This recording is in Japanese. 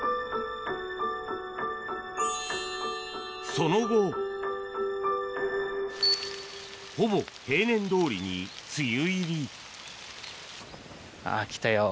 その後ほぼ平年どおりに梅雨入りあっ来たよ。